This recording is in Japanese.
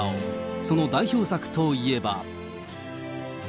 その代表作といえば。